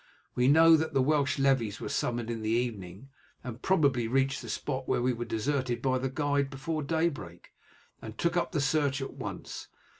We know that the Welsh levies were summoned in the evening, and probably reached the spot where we were deserted by the guide, before daybreak, and took up the search at once.